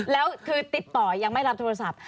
แล้วคือติดต่อยังไม่รับโทรศัพท์